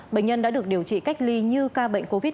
bệnh nhân đã được điều trị cách ly như ca bệnh covid một mươi